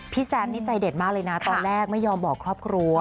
แซมนี่ใจเด็ดมากเลยนะตอนแรกไม่ยอมบอกครอบครัว